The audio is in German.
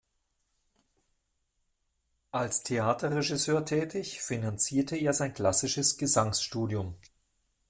Als Theaterregisseur tätig, finanzierte er sein klassisches Gesangsstudium.